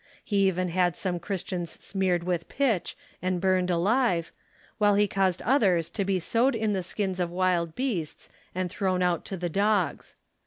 He even had some Christians smeared with pitch and burned alive, while he caused others to be sewed in the skins of wild beasts and thrown out to the dogs.